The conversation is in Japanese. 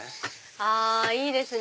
あいいですね！